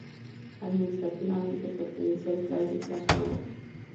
Administrativamente, pertenece al krai de Krasnodar.